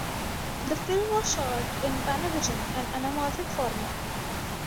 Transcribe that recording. The film was shot in Panavision, an anamorphic format.